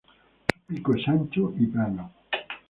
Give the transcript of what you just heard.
Su pico es ancho y plano.